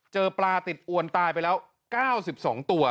เจอปลาติดอวนตายไปแล้ว๙๒ตัว